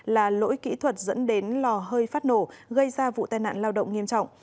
là lỗi kỹ thuật dẫn đến lò hơi phát nổ gây ra vụ tai nạn lao động nghiêm trọng